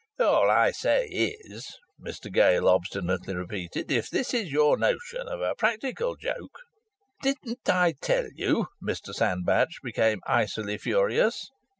"All I say is," Mr Gale obstinately repeated, "if this is your notion of a practical joke " "Didn't I tell you " Mr Sandbach became icily furious.